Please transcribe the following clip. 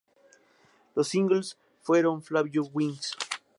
Los singles fueron "Flap Your Wings," "Na-Nana-Na" y "Tilt Ya Head Back".